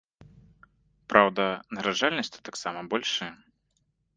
Праўда, нараджальнасць тут таксама большая!